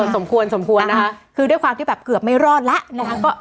สมควรสมควรนะคะคือด้วยความที่แบบเกือบไม่รอดแล้วนะคะ